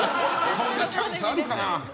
そんなチャンスあるかな？